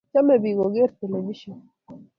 Chame pik ko kere televishon.